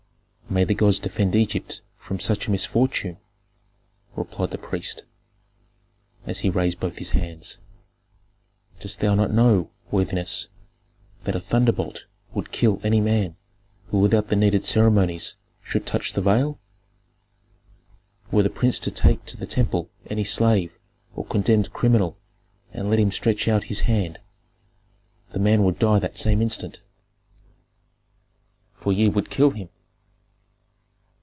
"May the gods defend Egypt from such a misfortune!" replied the priest, as he raised both his hands. "Dost thou not know, worthiness, that a thunderbolt would kill any man who without the needed ceremonies should touch the veil? Were the prince to take to the temple any slave or condemned criminal and let him stretch out his hand, the man would die that same instant." "For ye would kill him."